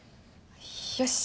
よし。